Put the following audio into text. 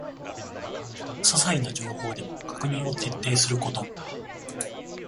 ささいな情報でも確認を徹底すること